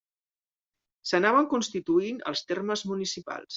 S'anaven constituint els termes municipals.